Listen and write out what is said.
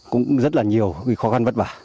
cũng rất là nhiều khó khăn vất vả